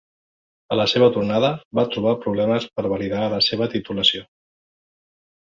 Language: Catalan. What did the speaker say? A la seva tornada va trobar problemes per validar la seva titulació.